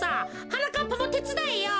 はなかっぱもてつだえよ。